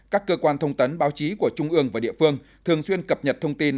các cơ quan thông tấn báo chí của trung ương và địa phương thường xuyên cập nhật thông tin